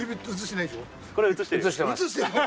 これ映してるよ。